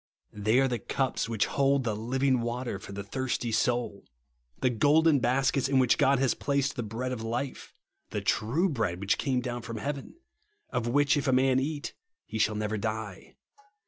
They are the cups which hold the living water for the thirsty soul ; the golden baskets in which God has placed the bread of life, the true bread which came down from heaven, of w^hich if a man eat he shall never die.